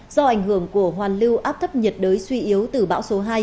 do ảnh hưởng của hoàn lưu áp thấp nhiệt đới suy yếu từ bão số hai